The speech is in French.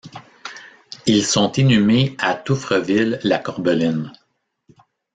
Ils sont inhumés à Touffreville-la-Corbeline.